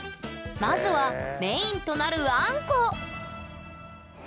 まずはメインとなるあんこ！